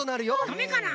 ダメかな。